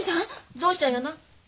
どうしたんやな？